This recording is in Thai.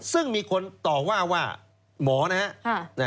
ซึ่งมีคนต่อว่าว่าหมอนะครับ